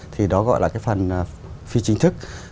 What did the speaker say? thì đó gọi là phần phi chính thức